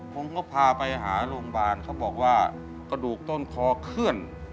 ผมก็พาไปหาโรงพยาบาลเขาบอกว่ากระดูกต้นคอเคลื่อน